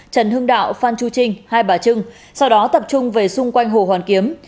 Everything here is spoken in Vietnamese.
trần hưng đạo phan chu trinh hai bà trưng sau đó tập trung về xung quanh hồ hoàn kiếm